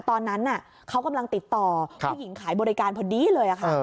ตอนนั้นเขากำลังติดต่อผู้หญิงขายบริการพอดีเลยค่ะ